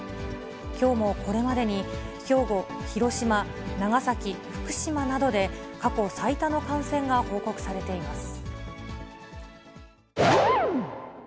きょうもこれまでに、兵庫、広島、長崎、福島などで、過去最多の感染が報告されています。